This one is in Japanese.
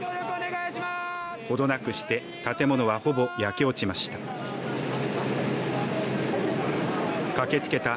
程なくして建物は、ほぼ焼け落ちました。